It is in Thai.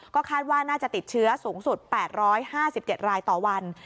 ก็คาดว่าน่าจะติดเชื้อสูงสุด๘๕๗รายต่อวัน